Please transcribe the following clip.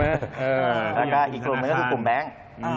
แล้วก็อีกกลุ่มหนึ่งก็คือกลุ่มแบงค์